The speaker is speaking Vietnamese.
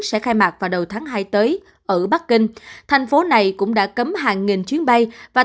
sẽ khai mạc vào đầu tháng hai tới ở bắc kinh thành phố này cũng đã cấm hàng nghìn chuyến bay và